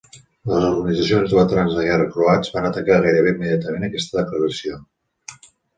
Les organitzacions de veterans de guerra croats van atacar gairebé immediatament aquesta declaració.